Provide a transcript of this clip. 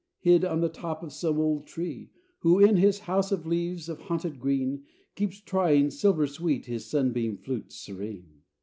Hid in the top of some old tree, Who, in his house of leaves, of haunted green, Keeps trying, silver sweet, his sunbeam flute serene?